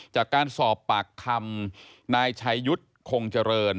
จากการสอบปากคำนายชัยยุทธ์คงเจริญ